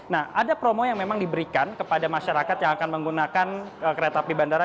nah ada promo yang memang diberikan kepada masyarakat yang akan menggunakan kereta api bandara